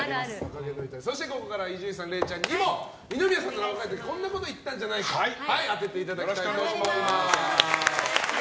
そしてここからは伊集院さん、れいちゃんにも二宮さん、若い時にこんなこと言ったんじゃないかと当ててもらいたいと思います。